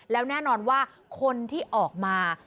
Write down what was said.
แล้วแน่นอนว่าคนที่ออกมา